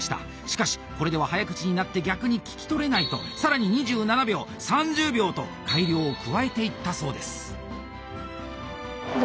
しかしこれでは早口になって逆に聞き取れないと更に２７秒３０秒と改良を加えていったそうです。